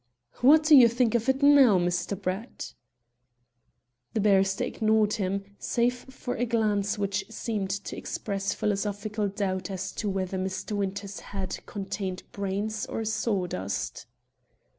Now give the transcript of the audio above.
"What do you think of it now, Mr. Brett?" The barrister ignored him, save for a glance which seemed to express philosophical doubt as to whether Mr. Winter's head contained brains or sawdust.